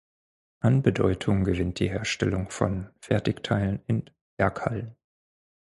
An Bedeutung gewinnt die Herstellung von Fertigteilen in Werkhallen.